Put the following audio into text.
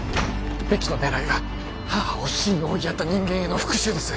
ベキの狙いは母を死に追いやった人間への復讐です